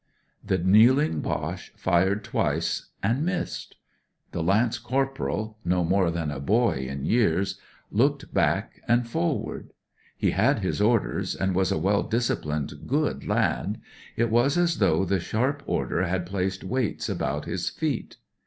" The kneeling Boche fired twice, and missed. The lance corporal — ^no more than a boy in years — ^looked back and forward. He had his orders, and was a well disciplined, good lad. It was as though the sharp order had placed weights about his feet.